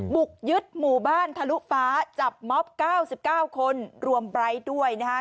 บุกยึดหมู่บ้านทะลุป้าจับมอบเก้าสิบเก้าคนรวมไบร์ดด้วยนะคะ